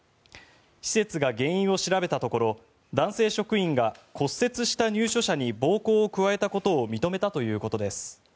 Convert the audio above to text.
施設が原因を調べたところ男性職員が骨折した入所者に暴行を加えたことを認めたということです。